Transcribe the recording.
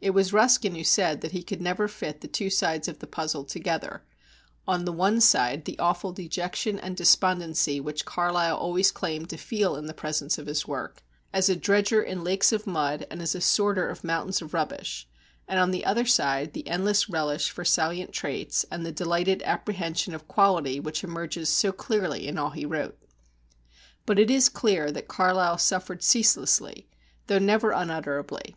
It was Ruskin who said that he could never fit the two sides of the puzzle together on the one side the awful dejection and despondency which Carlyle always claimed to feel in the presence of his work, as a dredger in lakes of mud and as a sorter of mountains of rubbish, and on the other side the endless relish for salient traits, and the delighted apprehension of quality which emerges so clearly in all he wrote. But it is clear that Carlyle suffered ceaselessly, though never unutterably.